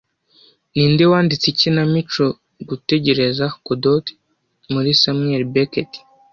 Ninde wanditse ikinamico Gutegereza Godot muri Samuel Beckett